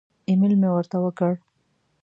ایمیل مې ورته وکړ.